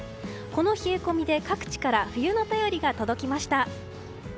この冷え込みで各地から冬の便りが届きました。